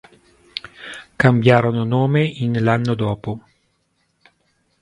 Cambiarono nome in l'anno dopo.